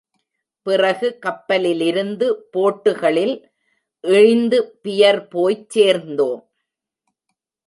பிறகு கப்பலிலிருந்து போட்டுகளில் இழிந்து, பியர் போய்ச் சேர்ந்தோம்.